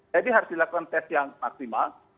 jadi harus dilakukan test yang maksimal